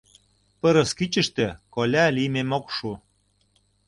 Пырыс кӱчыштӧ коля лиймем ок шу.